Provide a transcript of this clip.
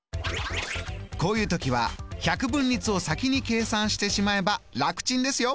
こういう時は百分率を先に計算してしまえば楽ちんですよ。